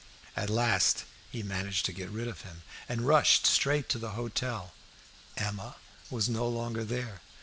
At last he managed to get rid of him, and rushed straight to the hotel. Emma was no longer there.